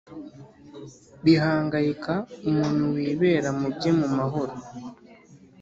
bihangayika umuntu wibera mu bye mu mahoro,